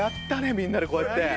みんなでこうやって。